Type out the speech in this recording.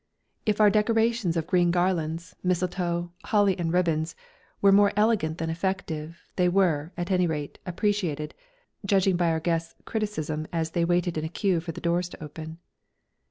If our decorations of green garlands, mistletoe, holly and ribbons were more elegant than effective, they were, at any rate, appreciated, judging by our guests' criticism as they waited in a queue for the doors to open.